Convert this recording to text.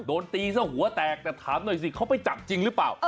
โดนตีซะหัวแตกแต่ถามหน่อยสิเขาไปจับจริงหรือเปล่า